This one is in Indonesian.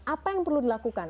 apa yang perlu dilakukan